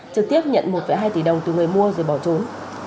trực tiếp nhận một hai tỷ đồng từ người mua rồi bỏ trốn